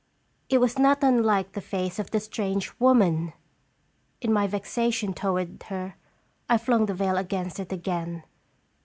It was not unlike the face of the strange woman ! In my vexa tion toward her, I flung the veil against it again.